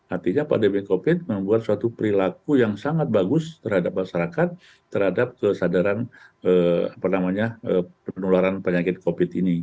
artinya pandemi covid membuat suatu perilaku yang sangat bagus terhadap masyarakat terhadap kesadaran penularan penyakit covid ini